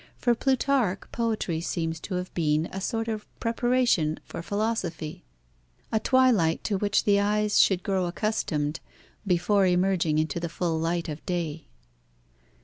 For Plutarch, poetry seems to have been a sort of preparation for philosophy, a twilight to which the eyes should grow accustomed, before emerging into the full light of day.